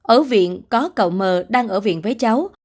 ở viện có cậu mờ đang ở viện với cháu